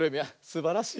すばらしい。